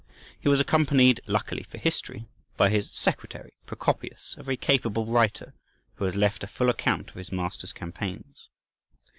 He was accompanied, luckily for history, by his secretary, Procopius, a very capable writer, who has left a full account of his master's campaigns.